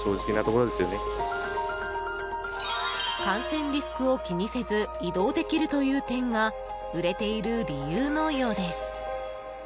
感染リスクを気にせず移動できるという点が売れている理由のようです。